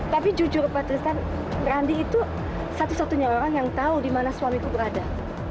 tapi jujur pak tristan randi itu satu satunya orang yang tahu dimana suamiku berada